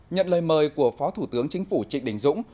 nhận lời mời của phó thủ tướng chính phủ trịnh đình dũng